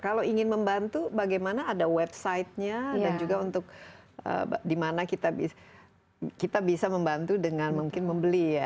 kalau ingin membantu bagaimana ada websitenya dan juga untuk dimana kita bisa membantu dengan mungkin membeli ya